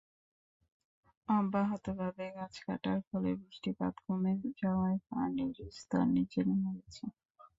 অব্যাহতভাবে গাছ কাটার ফলে বৃষ্টিপাত কমে যাওয়ায় পানির স্তর নিচে নেমে গেছে।